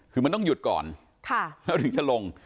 คือมันต้องหยุดก่อนแล้วถึงจะลง